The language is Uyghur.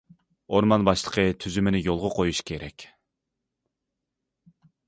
ئورمان باشلىقى تۈزۈمىنى يولغا قويۇش كېرەك.